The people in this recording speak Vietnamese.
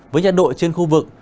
với nhiệt độ trên khu vực